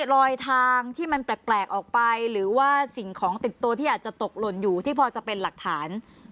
รอยทางที่มันแปลกออกไปหรือว่าสิ่งของติดตัวที่อาจจะตกหล่นอยู่ที่พอจะเป็นหลักฐาน